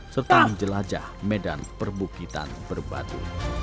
serta menjelajah medan perbukitan berbatu